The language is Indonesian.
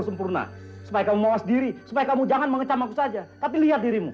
sempurna supaya kamu mewas diri supaya kamu jangan mengecam aku saja tapi lihat dirimu